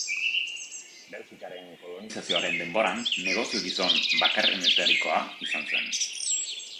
Belgikarren kolonizazioaren denboran negozio-gizon bakarrenetarikoa izan zen.